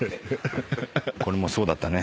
これもそうだったね。